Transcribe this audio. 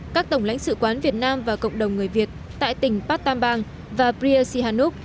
các tổng lãnh sự quán việt nam và cộng đồng người việt tại tỉnh patambang và priya sihanouk